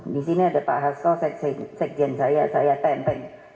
di sini ada pak hasko sekjen saya saya tempe